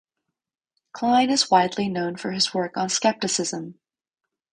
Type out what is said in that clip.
Klein is widely known for his work on skepticism.